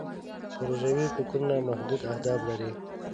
پروژوي فکرونه محدود اهداف لري.